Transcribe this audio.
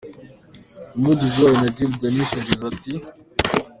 Umuvugizi wayo, Najib Danish, yagize ati:.